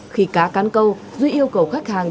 khi cá cán câu duy yêu cầu khách hàng